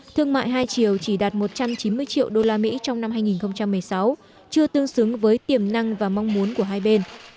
thương mại hai chiều chỉ đạt một trăm chín mươi triệu đô la mỹ trong năm hai nghìn một mươi sáu chưa tương xứng với tiềm năng và mong muốn của hai bên